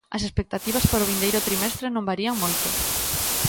As expectativas para o vindeiro trimestre non varían moito.